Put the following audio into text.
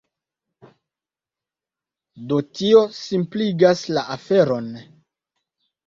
Do tio simpligas la aferon.